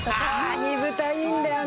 煮豚いいんだよね！